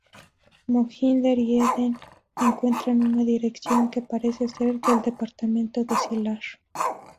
Mohinder y Eden encuentran una dirección que parece ser del apartamento de Sylar.